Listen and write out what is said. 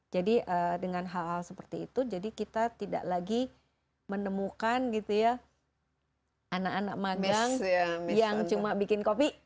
jadi dengan hal hal seperti itu jadi kita tidak lagi menemukan gitu ya anak anak magang yang cuma bikin kopi